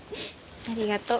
ありがとう。